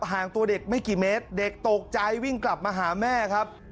ห่างตัวเด็กไม่กี่เมตรเด็กตกใจวิ่งกลับมาหาแม่ครับ